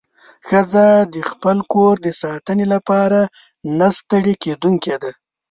ښځه د خپل کور د ساتنې لپاره نه ستړې کېدونکې ده.